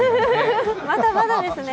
まだまだですね。